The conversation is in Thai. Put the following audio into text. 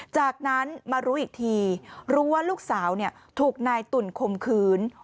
จากนั้นมารู้อีกทีรู้ว่าลูกสาวถูกนายตุ่นคมคืน